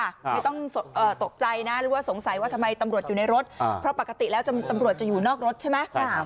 ไม่ต้องตกใจนะหรือว่าสงสัยว่าทำไมตำรวจอยู่ในรถเพราะปกติแล้วตำรวจจะอยู่นอกรถใช่ไหม